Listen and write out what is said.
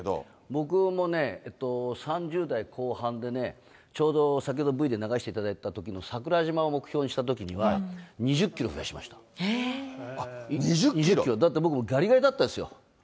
僕もね、３０代後半でね、ちょうど先ほど、Ｖで流していただいたときの桜島を目標にしたときには、２０キロ２０キロ？だって僕、がりがりだったんですよ。